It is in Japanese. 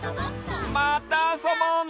またあそぼうね！